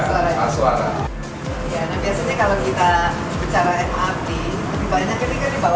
kita akan selalu kasihan di jakarta